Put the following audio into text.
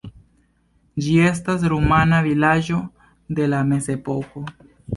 Ĝi estas rumana vilaĝo de la mezepoko.